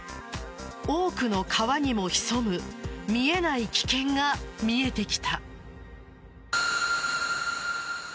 多くの川にも潜む見えない危険が見えてきた。